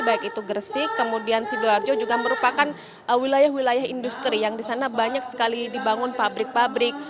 baik itu gresik kemudian sidoarjo juga merupakan wilayah wilayah industri yang di sana banyak sekali dibangun pabrik pabrik